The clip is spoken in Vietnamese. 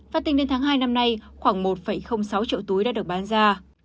và tính đến tháng hai năm nay khoảng một sáu triệu túi đã được bán ra